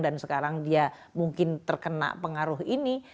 dan sekarang dia mungkin terkena pengaruh ini